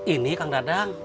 ini kang dadang